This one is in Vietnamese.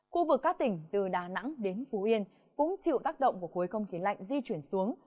khu vực các tỉnh từ đà nẵng đến phú yên cũng chịu tác động của khối không khí lạnh di chuyển xuống